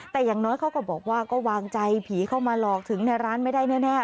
แต่อย่างน้อยเขาก็บอกว่าก็วางใจผีเข้ามาหลอกถึงในร้านไม่ได้แน่